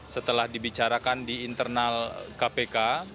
setelah dibicarakan di internal kpk